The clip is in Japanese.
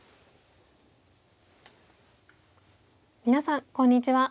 皆さんこんにちは。